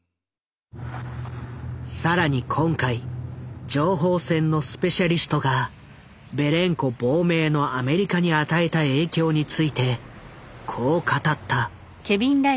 更に今回情報戦のスペシャリストがべレンコ亡命のアメリカに与えた影響についてこう語った。